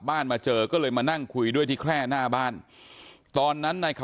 มาเจอก็เลยมานั่งคุยด้วยที่แคร่หน้าบ้านตอนนั้นนายข